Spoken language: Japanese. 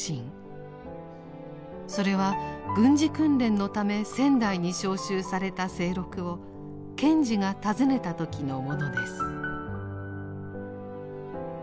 それは軍事訓練のため仙台に召集された清六を賢治が訪ねた時のものです。